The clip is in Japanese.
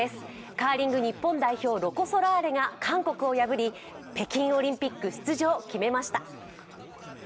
カーリング日本代表ロコ・ソラーレが韓国を破り、北京オリンピック出場を決めました。